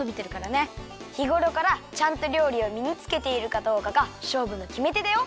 ひごろからちゃんと料理をみにつけているかどうかがしょうぶのきめてだよ。